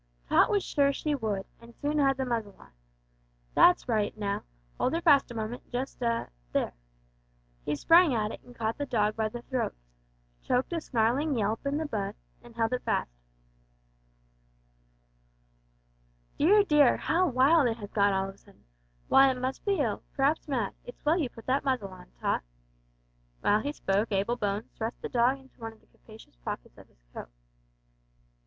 Tot was sure she would, and soon had the muzzle on. "That's right; now, hold 'er fast a moment just a there !" He sprang at and caught the dog by the throat, choked a snarling yelp in the bud, and held it fast. "Dear, dear, how wild it has got all of a sudden! W'y, it must be ill p'r'aps mad. It's well you put that muzzle on, Tot." While he spoke Abel Bones thrust the dog into one of the capacious pockets of his coat.